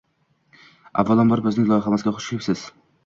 Avvalambor bizning loyihamizga xush kelibsiz.